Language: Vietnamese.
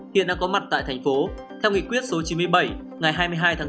hiện đang có mặt tại thành phố theo nghị quyết số chín mươi bảy ngày hai mươi hai tháng bốn